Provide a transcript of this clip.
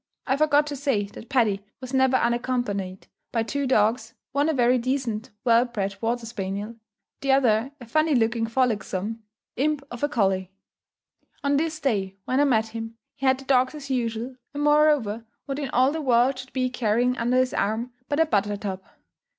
I forgot to say, that Paddy was never unaccompanied by two dogs, one a very decent well bred water spaniel, the other a funny looking frolicsome imp of a colley. On this day, when I met him, he had the dogs as usual, and moreover, what in all the world should he be carrying under his arm, but a butter tub.